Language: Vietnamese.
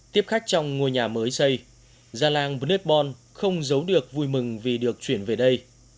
tiếp khách trong ngôi nhà mới xây ra làng betbon không giấu được vui mừng vì được chuyển về đây